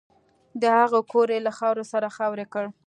د هغه کور یې له خاورو سره خاورې کړ